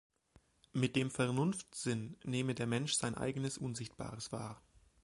Mit dem Vernunft-Sinn nehme der Mensch sein eigenes Unsichtbares wahr.